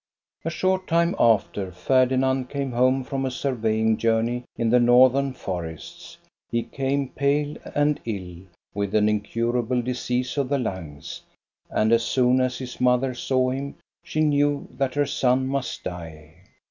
A short time after, Ferdinand came home from a surveying journey in the northern forests. He came, pale and ill with an incurable disease of the lungs, and as soon as his mother saw him, she knew that her son must die.